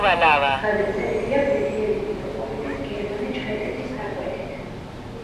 გადაწერილია ბედიელი მიტროპოლიტის გერმანე ჩხეტიძის დაკვეთით.